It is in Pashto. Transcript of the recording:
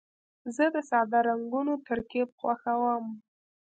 زه د ساده رنګونو ترکیب خوښوم.